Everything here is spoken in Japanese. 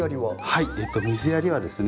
はい水やりはですね